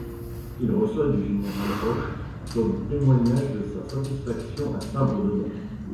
Il reçoit du général Hoche, comme témoignage de sa satisfaction, un sabre d'honneur.